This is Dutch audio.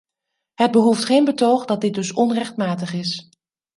Het behoeft geen betoog dat dit dus onrechtmatig is.